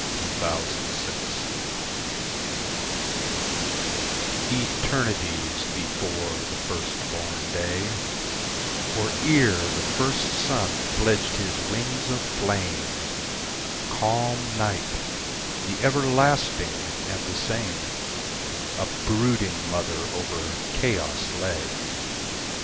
Mother Night ETERNITIES before the first born day, Or ere the first sun fledged his wings of flame, Calm Night, the everlasting and the same,A brooding mother over chaos lay.